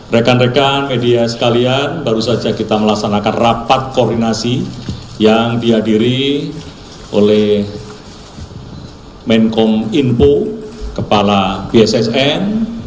rekan rekan media sekalian baru saja kita melaksanakan rapat koordinasi yang dihadiri oleh menkom info kepala bssn